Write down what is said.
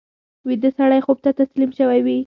ویده سړی خوب ته تسلیم شوی وي